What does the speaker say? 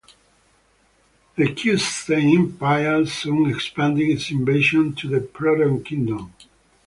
The Q-Stein Empire soon expanded its invasion to the Proton Kingdom.